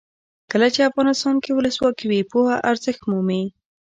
کله چې افغانستان کې ولسواکي وي پوهه ارزښت مومي.